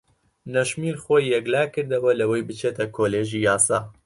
نەشمیل خۆی یەکلا کردەوە لەوەی بچێتە کۆلێژی یاسا.